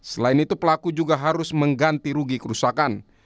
selain itu pelaku juga harus mengganti rugi kerusakan